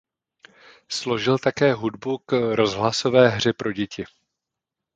Složil také hudbu k rozhlasové hře pro děti.